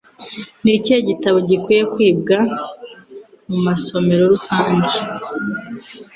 Nikihe gitabo gikunze kwibwa mumasomero rusange